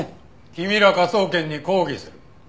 君ら科捜研に抗議する。